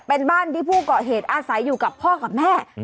เป็นบ้านที่ผู้เกาะเหตุอาศัยอยู่กับพ่อกับแม่